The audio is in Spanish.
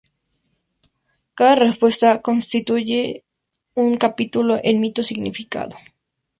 Cada respuesta constituye un capítulo en "Mito y significado".